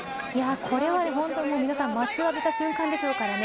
これは本当に皆さん待ちわびた瞬間でしょうからね。